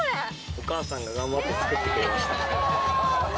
お母さんが頑張って作ってくれました。